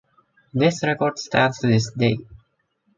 This record stands to this day.